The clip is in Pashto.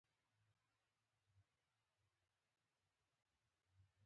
عطر نه لري په ځان کي ستا له څنګه ټوله مړه دي